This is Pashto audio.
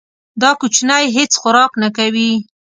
دا کوچنی هیڅ خوراک نه کوي.